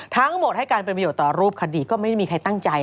ทั้งหมดให้การเป็นประโยชน์ต่อรูปคดีก็ไม่ได้มีใครตั้งใจ